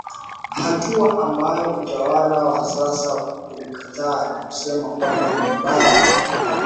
hatua ambayo utawala wa sasa ulikataa na kusema kwamba ni mbaya